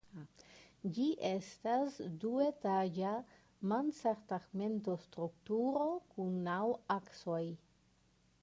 Ĝi estas duetaĝa mansardtegmentostrukturo kun naŭ aksoj.